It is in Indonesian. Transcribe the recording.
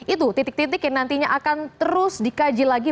itu titik titik yang nantinya akan terus dikaji lagi